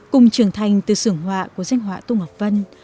cùng trưởng thành từ sưởng họa của danh họa tô ngọc vân